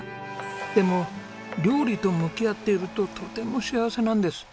「でも料理と向き合っているととても幸せなんです」